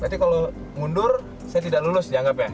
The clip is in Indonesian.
berarti kalau mundur saya tidak lulus dianggap ya